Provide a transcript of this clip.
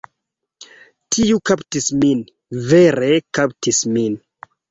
Tiu kaptis min. Vere kaptis min.